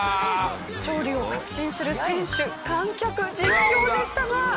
勝利を確信する選手観客実況でしたが。